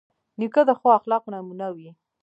نیکه د ښو اخلاقو نمونه وي.